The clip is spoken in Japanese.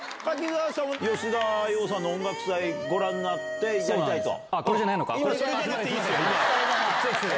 柿澤さんは吉田羊さんの音楽祭、ご覧になって歌いたいと。